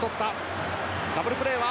「ダブルプレーは？」